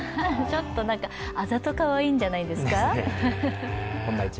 ちょっと、あざとかわいいんじゃないですか？